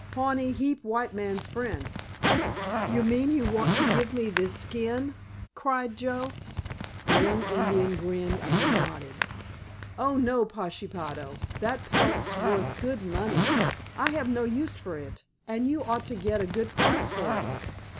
"Pawnee heap white man's friend." "You mean you want to give me this skin?" cried Joe. The young Indian grinned and nodded. "Oh, no, Pashepaho! That pelt's worth good money. I have no use for it, and you ought to get a good price for it.